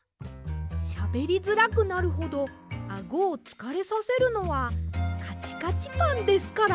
しゃべりづらくなるほどあごをつかれさせるのはかちかちパンですから。